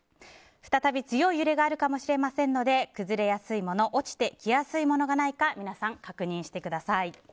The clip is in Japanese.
再び強い揺れがあるかもしれませんので崩れやすいもの落ちてきやすいものがないか皆さん、確認してください。